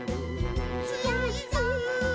「つよいぞ」